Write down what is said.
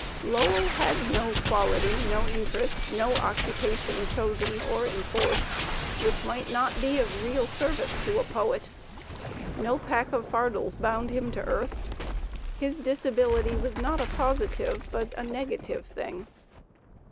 Lowell had no quality, no interest, no occu pation, chosen or enforced, which might not be of real service to a poet; no pack of fardels bound him to earth. His disability was not a positive but a negative thing.